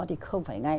thì không phải ngay